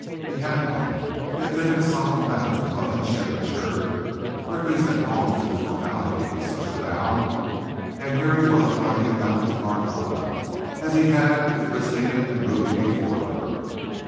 He had one. He had taken a solemn vow to love and cherish her, or at least had gone through the formality of such a vow, and here he was running about with Carlotta, as he had with Christina and Ruby before her.